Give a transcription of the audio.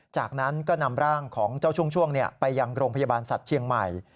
จากนั้นก็นำร่างของเจ้าช่วงไปยังโรงพยาบาลสัตว์เชียงใหม่